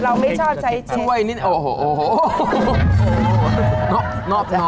เราไม่ชอบใช้เช็คบริษัทเราไม่ชอบใช้เช็ค